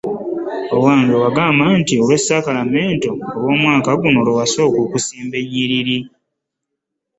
Owange, wagamba nti olw'Esakramentu olw'omwaka guno nti Iwe wasooka okusimba ennyiriri.